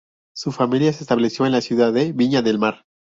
Su familia se estableció en la ciudad de Viña del Mar.